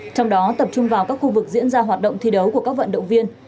trong đó tập trung vào các khu vực diễn ra hoạt động thi đấu của các vận động viên